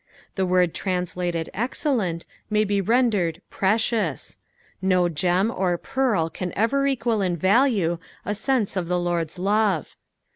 The word translated axdlent may be rendered " precious ;" no Rem or peatl can ever equal ia value a sense of the Lord's love.